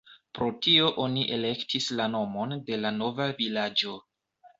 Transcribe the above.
Pro tio oni elektis la nomon de la nova vilaĝo.